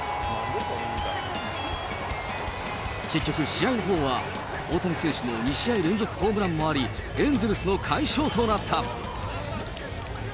結局、試合のほうは大谷選手の２試合連続ホームランもあり、エンゼルスの快勝となった。